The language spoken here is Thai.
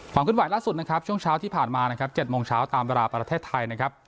ขึ้นไหวล่าสุดนะครับช่วงเช้าที่ผ่านมานะครับ๗โมงเช้าตามเวลาประเทศไทยนะครับ